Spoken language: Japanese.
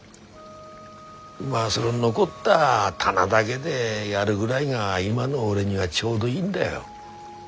まあその残った棚だげでやるぐらいが今の俺にはちょうどいいんだよ。